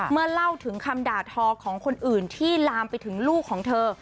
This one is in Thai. เมื่อเล่าถึงคำด่าทอของคนอื่นที่ลามไปถึงลูกของเธอ